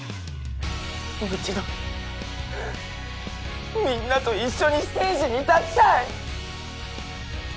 もう一度みんなと一緒にステージに立ちたい！